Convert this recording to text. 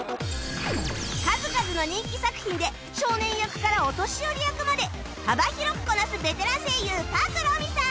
数々の人気作品で少年役からお年寄り役まで幅広くこなすベテラン声優朴美さん